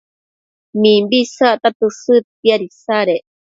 mimbi isacta tësëdtiad isadec